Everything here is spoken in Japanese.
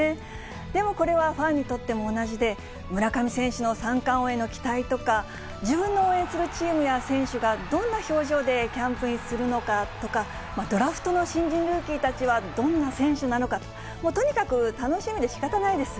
でもこれはファンにとっても同じで、村上選手の三冠王への期待とか、自分の応援するチームや選手がどんな表情でキャンプインするのかとか、ドラフトの新人ルーキーたちはどんな選手なのか、とにかく楽しみでしかたないです。